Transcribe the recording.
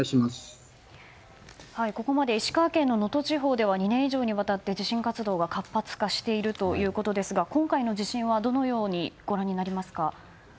ここまで石川県の能登地方では２年以上にわたって地震活動が活発化しているということですが今回の地震はどのようにご覧になりますか？